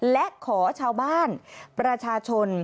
และขอชาวบ้านประชาชน